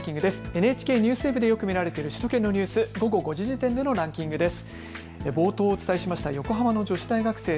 ＮＨＫＮＥＷＳＷＥＢでよく見られている首都圏のニュース、午後５時時点でのランキングです。